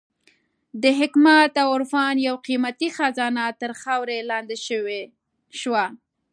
د حکمت او عرفان یوه قېمتي خزانه تر خاورو لاندې شوه.